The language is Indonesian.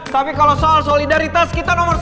tapi kalau soal solidaritas kita nomor satu